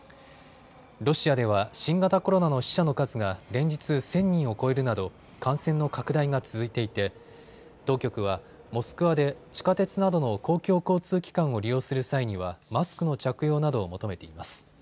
ロシアでは新型コロナの死者の数が連日１０００人を超えるなど感染の拡大が続いていて当局はモスクワで地下鉄などの公共交通機関を利用する際にはマスクの着用などを求めています。